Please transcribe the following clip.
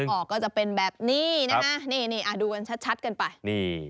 แยกนกออกก็จะเป็นแบบนี้นะฮะดูกันชัดกันไป